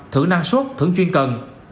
thử năng suất thử chuyên cần